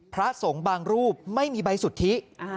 พระสงฆ์บางรูปไม่มีใบสุทธิ